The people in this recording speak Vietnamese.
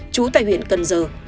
chú tại huyện cần giờ